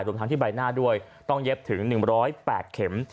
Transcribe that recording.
รวมทั้งที่ใบหน้าด้วยต้องเย็บถึง๑๐๘เข็ม